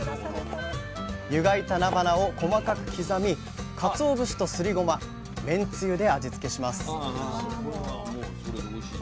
湯がいたなばなを細かく刻みかつお節とすりごま麺つゆで味付けします